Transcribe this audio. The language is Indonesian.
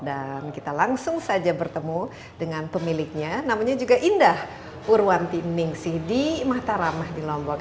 dan kita langsung saja bertemu dengan pemiliknya namanya juga indah purwanti ningsih di mataramah di lombok